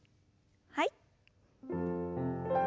はい。